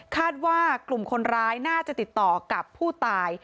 คาดว่ากลุ่มคนร้ายน่าจะติดต่อกับผู้ตาย